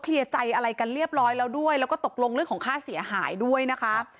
ใจอะไรกันเรียบร้อยแล้วด้วยแล้วก็ตกลงเรื่องของค่าเสียหายด้วยนะคะ